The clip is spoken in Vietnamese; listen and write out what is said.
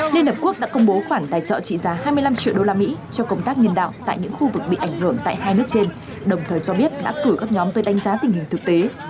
liên hợp quốc đã công bố khoản tài trợ trị giá hai mươi năm triệu đô la mỹ cho công tác nhân đạo tại những khu vực bị ảnh hưởng tại hai nước trên đồng thời cho biết đã cử các nhóm tới đánh giá tình hình thực tế